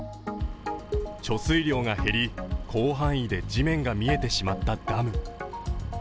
貯水量が減り、広範囲で地面が見えてしまったダム。